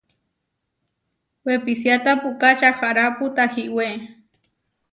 Wepisiáta puʼká čaharápu tahiwé.